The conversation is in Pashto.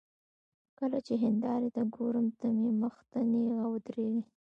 کله چې هندارې ته ګورم، ته مې مخ ته نېغه ودرېږې